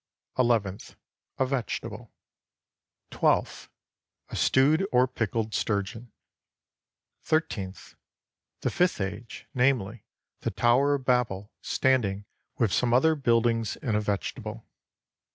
Eleventh A vegetable. Twelfth A stewed or pickled sturgeon. Thirteenth The fifth age, namely, the Tower of Babel, standing with some other buildings in a vegetable.